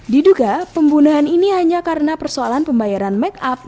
diduga pembunuhan ini hanya karena persoalan pembayaran make up